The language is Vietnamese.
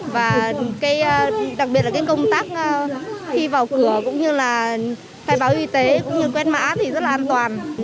và đặc biệt là cái công tác khi vào cửa cũng như là thai báo y tế cũng như quen mã thì rất là an toàn